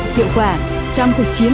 hiệu quả trong cuộc chiến